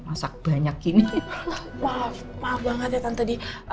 maaf banget ya tante di